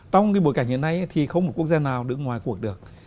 trong cái bối cảnh như thế này thì không một quốc gia nào đứng ngoài cuộc được